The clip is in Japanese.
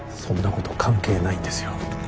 こと関係ないんですよ